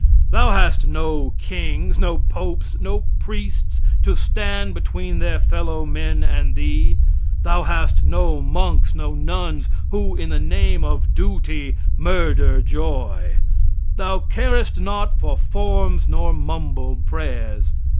Thou hast no kings, no popes, no priests to stand between their fellow men and thee. Thou hast no monks, no nuns, who, in the name of duty, murder joy. Thou carest not for forms nor mumbled prayers.